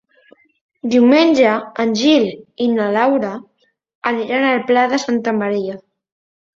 Diumenge en Gil i na Laura aniran al Pla de Santa Maria.